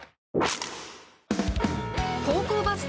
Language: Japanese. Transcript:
高校バスケ